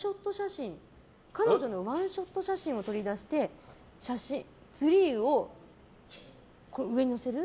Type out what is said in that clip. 彼女のワンショット写真を取り出してツリーを上に乗せる？